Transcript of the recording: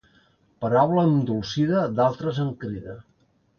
Paraula endolcida, d'altres en crida.